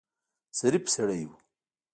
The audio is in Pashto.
ظریف سړی و.